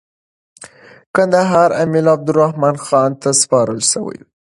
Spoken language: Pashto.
کندهار امیر عبدالرحمن خان ته سپارل سوی دی.